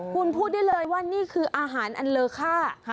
คุณพูดได้เลยว่านี่คืออาหารอันเลอค่า